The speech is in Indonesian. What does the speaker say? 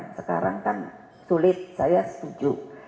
sekarang kan sulit saya setuju